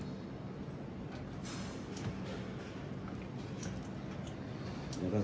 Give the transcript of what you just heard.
ส่วนสุดท้ายส่วนสุดท้าย